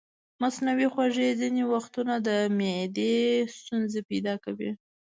مصنوعي خوږې ځینې وختونه د معدې ستونزې پیدا کوي.